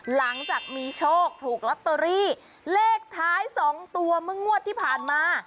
หลังจากมีโชคถูกลอตเตอรี่เลขท้าย๒ตัวเมื่องวดที่ผ่านมา